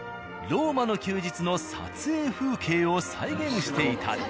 「ローマの休日」の撮影風景を再現していたり。